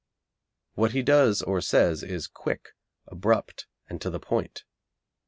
What he does or says is quick, abrupt, and to the point.